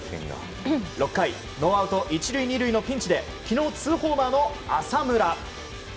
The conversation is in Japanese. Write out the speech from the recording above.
６回ノーアウト１塁２塁のピンチで昨日２ホーマーの浅村。